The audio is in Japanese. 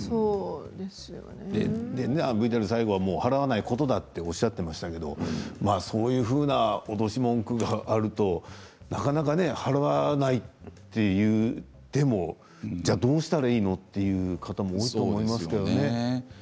ＶＴＲの最後は払わないことだと言っていましたけれどそういう脅し文句があるとなかなか払わないと言ってもどうしたらいいかという方もいると思いますけどね。